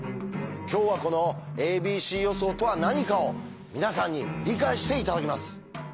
今日はこの「ａｂｃ予想」とは何かを皆さんに理解して頂きます。